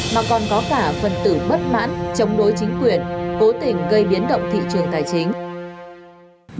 mà còn có cả phần tử bất mãn chống đối chính quyền cố tình gây biến động thị trường tài chính